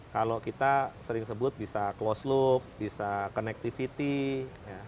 kalau kita sering sebut bisa close loop bisa connectivity